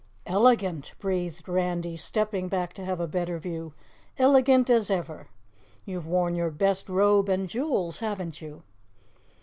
"Elegant!" breathed Randy, stepping back to have a better view. "Elegant as ever. You've worn your best robe and jewels, haven't you?"